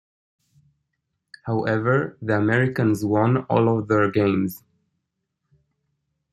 However the Americans won all of their games.